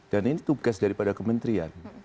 dan ini tugas daripada kementerian